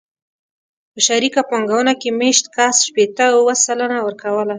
په شریکه پانګونه کې مېشت کس شپېته اووه سلنه ورکوله.